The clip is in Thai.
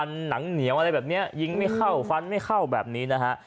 มันหนังเหนียวอะไรแบบเนี้ยยิงไม่เข้าฟันไม่เข้าแบบนี้นะฮะ